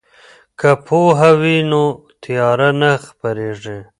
که پوهه وي نو تیاره نه خپریږي.